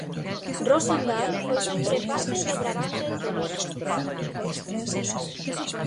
Roosendaal foi sempre parte do Brabante do Norte.